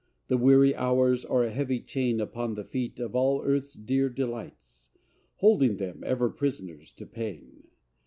The weary hours are a heavy chain Upon the feet of all Earth's dear delights, Holding them ever prisoners to pain.